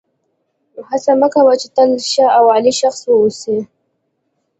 هڅه مه کوه چې تل ښه او عالي شخص واوسې.